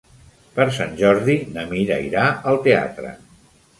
Per Sant Jordi na Mira irà al teatre.